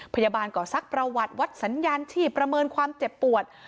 ก่อซักประวัติวัดสัญญาณชีพประเมินความเจ็บปวด